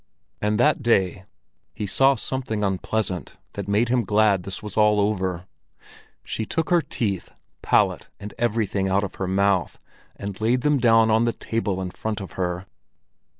And that day he saw something unpleasant that made him glad that this was over. She took her teeth, palate, and everything out of her mouth, and laid them on the table in front of her!